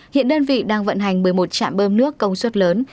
hiện đơn vị đang vận hành một mươi một trạm bơm nước công suất lớn